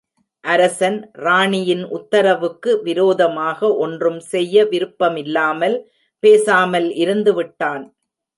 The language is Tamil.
அரசன் ராணியின் உத்தரவுக்கு விரோதமாக ஒன்றும் செய்ய விருப்பமில்லாமல் பேசாமல் இருந்துவிட்டான்.